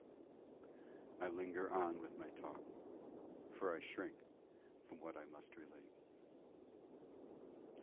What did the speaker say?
I linger on with my talk, for I shrink from what I must relate.